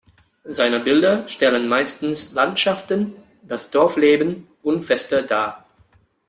Seine Bilder stellen meistens Landschaften, das Dorfleben und Feste dar.